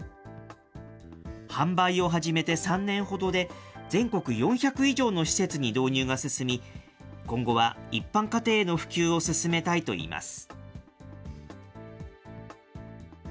販売を始めて３年ほどで全国４００以上の施設に導入が進み、今後は一般家庭への普及を進めたいといいます。